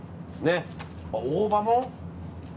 大葉も。